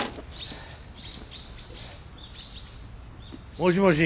もしもし。